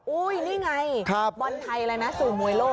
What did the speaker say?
นี่ไงบอลไทยอะไรนะสู่มวยโลก